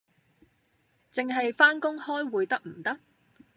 淨係返工開會得唔得？